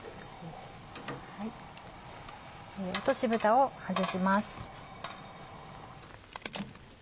落としぶたを外します。